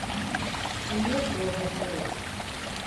Naye ggwe obadde wa?